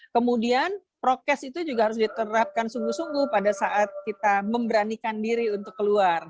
kemudian prokes itu juga harus diterapkan sungguh sungguh pada saat kita memberanikan diri untuk keluar